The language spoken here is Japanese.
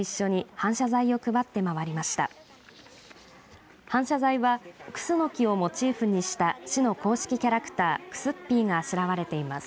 反射材はクスノキをモチーフにした市の公式キャラクターくすっぴーがあしらわれています。